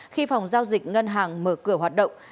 khi phòng giao dịch ngân hàng mở cửa hoạt động